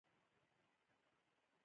د ابوهریره کلی هستوګنځی و.